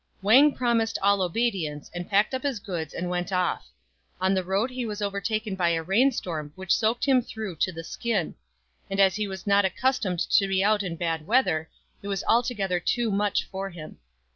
Wang promised all obedience, and packed up his goods and went off. On the road he was overtaken by a rain storm which soaked him through to the skin ; and as he was not accustomed to be out in bad weather, it was altogether too much for him.